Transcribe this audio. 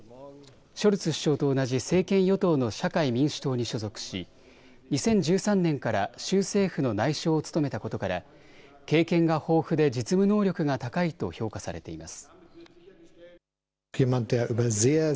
ショルツ首相と同じ政権与党の社会民主党に所属し２０１３年から州政府の内相を務めたことから経験が豊富で実務能力が高いと評価されています。